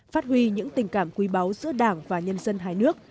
phát huy những tình cảm quý báu giữa đảng và nhân dân hai nước